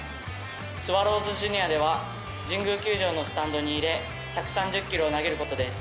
スワローズジュニアでは神宮球場のスタンドに入れ１３０ｋｍを投げることです。